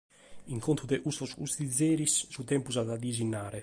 In contu de custos cussigeris su tèmpus at a disinnare.